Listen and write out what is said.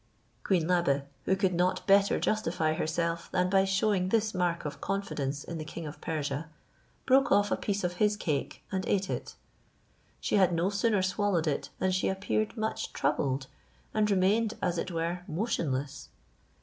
Queen Labe, who could not better justify herself than by showing this mark of confidence in the king of Persia, broke off a piece of his cake and ate it. She had no sooner swallowed it than she appeared much troubled, and remained as it were motionless.